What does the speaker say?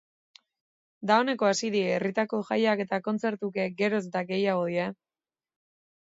Dagoeneko hasi dira herrietako jaiak eta kontzertuak ere geroz eta gehiago dira.